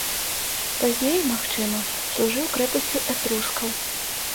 Пазней, магчыма, служыў крэпасцю этрускаў.